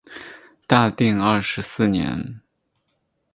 大定二十四年。